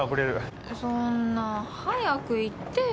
そんな早く言ってよ。